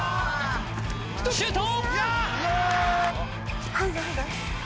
シュート！